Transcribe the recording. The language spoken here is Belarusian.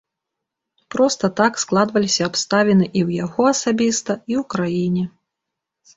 Проста так складваліся абставіны і ў яго асабіста, і ў краіне.